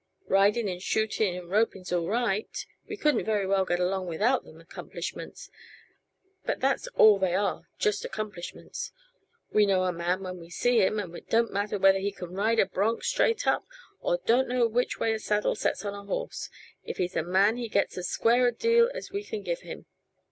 Riding and shooting and roping's all right we couldn't very well get along without them accomplishments. But that's all they are; just accomplishments. We know a man when we see him, and it don't matter whether he can ride a bronk straight up, or don't know which way a saddle sets on a horse. If he's a man he gets as square a deal as we can give him."